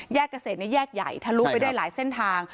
แยกเกษตรนี่แยกใหญ่ถ้ารุไปได้หลายเส้นทาง